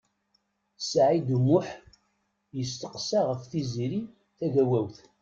Saɛid U Muḥ yesteqsa ɣef Tiziri Tagawawt.